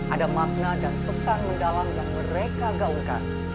ada makna dan pesan mendalam yang mereka gaungkan